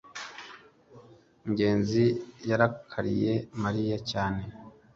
ngenzi yarakariye mariya cyane